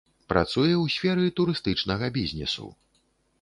Працуе ў сферы турыстычнага бізнесу.